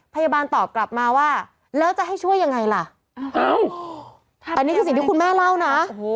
พยาบาลตอบกลับมาว่าแล้วจะให้ช่วยยังไงล่ะอันนี้คือสิ่งที่คุณแม่เล่านะ